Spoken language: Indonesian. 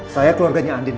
saya keluarganya andin